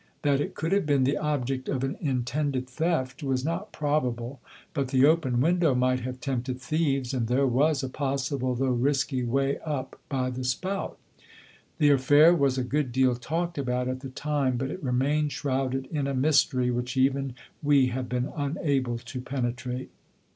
That it could have been the object of an intended theft was not probable, but the open window might have tempted thieves, and there was a possible though risky way up by the spout. The affair was a good deal talked about at the time, but it remained shrouded in a mystery which even we have been unable to penetrate.